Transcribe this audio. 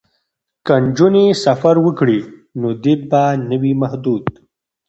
که نجونې سفر وکړي نو دید به نه وي محدود.